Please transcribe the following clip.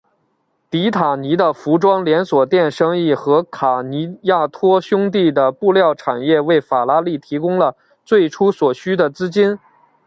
塔迪尼的服装连锁店生意和卡尼亚托兄弟的布料产业为法拉利提供了最初所需的资金。